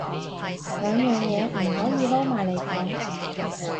兩樣嘢唔可以撈埋嚟講